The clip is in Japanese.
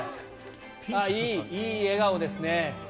いい笑顔ですね。